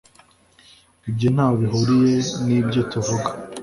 Ibyo ntaho bihuriye nibyo tuvuga